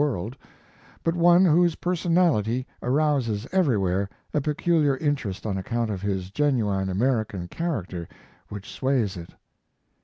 world, but one whose personality arouses everywhere a peculiar interest on account of the genuine American character which sways it.